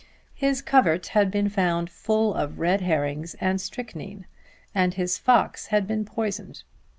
His covert had been found full of red herrings and strychnine, and his fox had been poisoned.